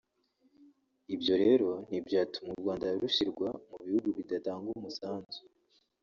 Ibyo rero ntibyatuma u Rwanda rushyirwa mu bihugu bidatanga umusanzu